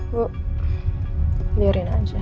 bu biarin aja